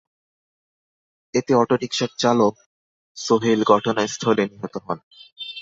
এতে অটোরিকশার চালক সোহেল ঘটনাস্থলে নিহত হন।